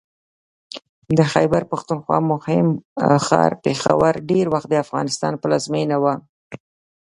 د خیبر پښتونخوا مهم ښار پېښور ډېر وخت د افغانستان پلازمېنه وه